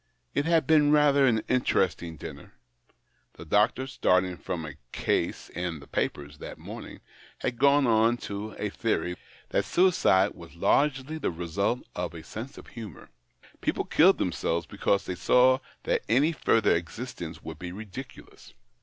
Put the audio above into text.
It had been rather an interesting dinner. The doctor, starting from a case in the papers that morning, had gone on to a theory that suicide was largely the result of a sense of humour. People killed themselves because they saw that any further existence would be ridiculous.